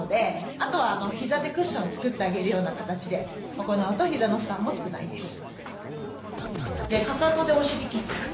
あとは膝でクッション作ってあげるような形で行うと膝の負担も少ないです。